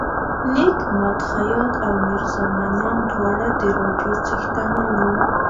نیک ماد خیاط او میرزا منان دواړه د راډیو څښتنان وو.